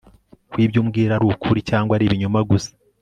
kwibyumbwira arukuri cyangwa aribinyoma gusa